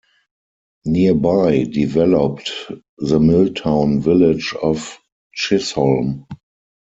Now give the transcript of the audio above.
Nearby developed the mill town village of Chisholm.